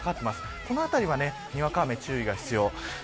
この辺りはにわか雨に注意が必要です。